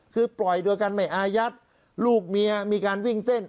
คือปล่อยโดยการไม่อายัดลูกเมียมีการวิ่งเต้น